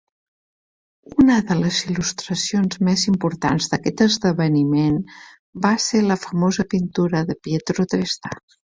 Una de les il·lustracions més importants d'aquest esdeveniment va ser la famosa pintura de Pietro Testa.